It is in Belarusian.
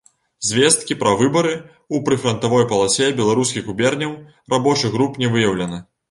Звесткі пра выбары ў прыфрантавой паласе беларускіх губерняў рабочых груп не выяўлена.